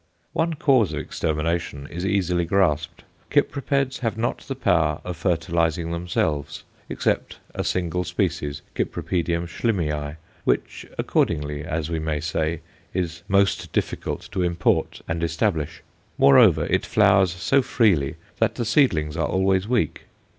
One cause of extermination is easily grasped. Cypripeds have not the power of fertilizing themselves, except a single species, Cyp. Schlimii, which accordingly, as we may say is most difficult to import and establish; moreover, it flowers so freely that the seedlings are always weak.